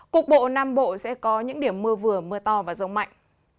cục bộ nam bộ sẽ có những điểm mưa vừa mưa to và rông mạnh